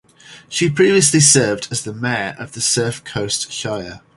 She previously served as the mayor of the Surf Coast Shire.